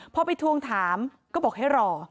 พอไปทวงถามก็บอกให้รอ